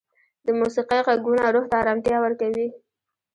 د موسیقۍ ږغونه روح ته ارامتیا ورکوي.